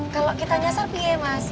kalau kita nyasar biaya mas